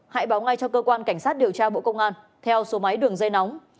hãy báo ngay cho cơ quan cảnh sát điều tra bộ công an